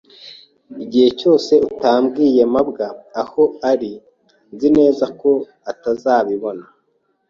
Igihe cyose utabwiye mabwa aho ari, nzi neza ko atazabibona.